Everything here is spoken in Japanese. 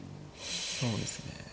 そうですね。